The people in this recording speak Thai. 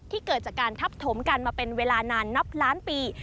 เกิดจากการทับถมกันมาเป็นเวลานานนับล้านปี